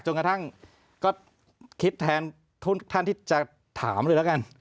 จนกระทั่งก็คิดแทนทุกท่านที่จะถามเลยแล้วกัน